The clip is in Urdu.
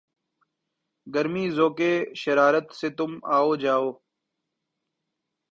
گرمیِ ذوقِ شرارت سے تُم آؤ جاؤ